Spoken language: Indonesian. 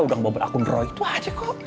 udah bobot akun draw itu aja kok